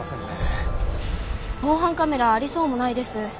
防犯カメラありそうもないです。